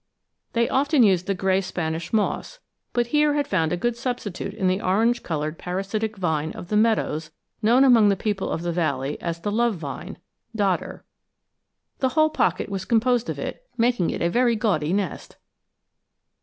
They often use the gray Spanish moss, but here had found a good substitute in the orange colored parasitic vine of the meadows known among the people of the valley as the 'love vine' (dodder). The whole pocket was composed of it, making a very gaudy nest.